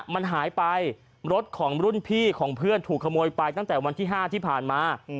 มันหายไปรถของรุ่นพี่ของเพื่อนถูกขโมยไปตั้งแต่วันที่๕ที่ผ่านมา